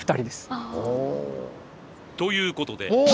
ああ。ということで。